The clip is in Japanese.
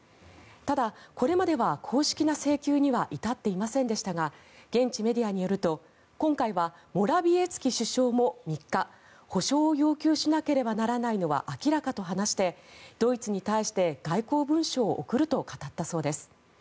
ただ、これまでは公式な請求には至っていませんでしたが現地メディアによると今回はモラビエツキ首相も３日、補償を要求しなければならないのは明らかと話してドイツに対して外交文書を送ると語ったそうです。